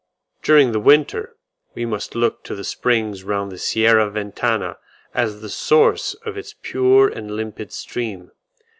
During the winter we must look to the springs round the Sierra Ventana as the source of its pure and limpid stream.